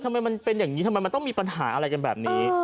มันเป็นอย่างนี้ทำไมมันต้องมีปัญหาอะไรกันแบบนี้